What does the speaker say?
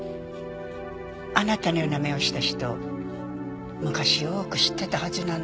あなたのような目をした人昔よく知ってたはずなのよ。